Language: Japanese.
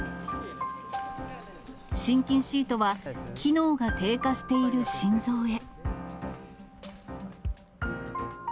心筋シートは、機能が低下している心臓へ。